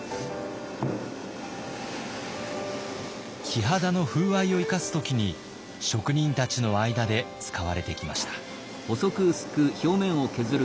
木肌の風合いを生かす時に職人たちの間で使われてきました。